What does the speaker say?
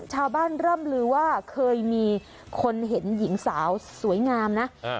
ชาวบ้านร่ำลือว่าเคยมีคนเห็นหญิงสาวสวยงามน่ะอ่า